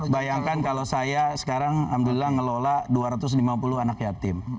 bayangkan kalau saya sekarang alhamdulillah ngelola dua ratus lima puluh anak yatim